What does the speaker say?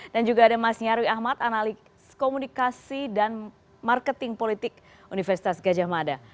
dan juga ada mas nyarwi ahmad analik komunikasi dan marketing politik universitas gajah mada